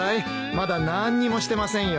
まだなんにもしてませんよ。